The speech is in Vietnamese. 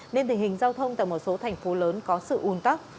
nên thể hình giao thông tại một số thành phố lớn có sự un tắc